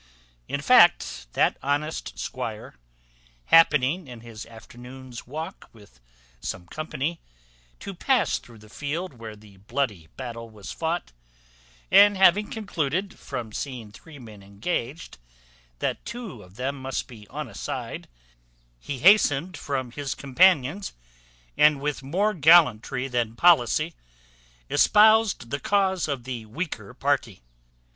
In fact, that honest squire, happening, in his afternoon's walk with some company, to pass through the field where the bloody battle was fought, and having concluded, from seeing three men engaged, that two of them must be on a side, he hastened from his companions, and with more gallantry than policy, espoused the cause of the weaker party.